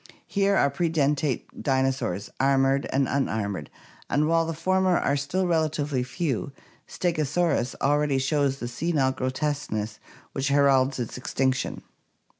Here are predentate dinosaurs, armored and unarmored, and while the former are still relatively few, Slegosaurus already shows the senile grotesqueness which heralds its extinction.